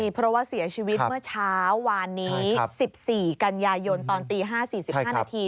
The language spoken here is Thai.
เพราะว่าเสียชีวิตเมื่อเช้าวานนี้๑๔กันยายนตอนตี๕๔๕นาที